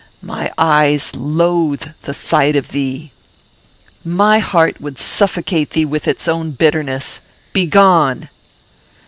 My eyes loathe the sight of thee! My heart would suffocate thee with its own bitterness! Begone!"